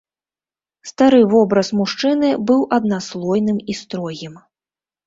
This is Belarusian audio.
Стары вобраз мужчыны быў аднаслойным і строгім.